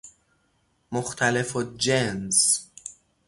مختلف الجنس